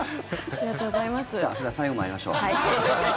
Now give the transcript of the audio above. さあ、それでは最後、参りましょう。